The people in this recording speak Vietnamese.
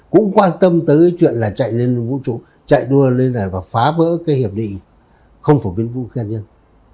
cũng quan tâm tới chuyện là chạy lên vũ trụ chạy đua lên này và phá bỡ cái hiệp định không phổng quân vũ khí hành nhân